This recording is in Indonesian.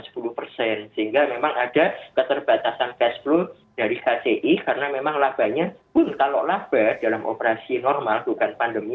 sehingga memang ada keterbatasan cash flow dari kci karena memang labanya pun kalau laba dalam operasi normal bukan pandemi